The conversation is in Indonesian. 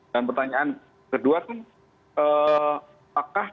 dan pertanyaan kedua kan